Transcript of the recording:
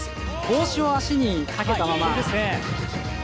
帽子を足にかけたまま。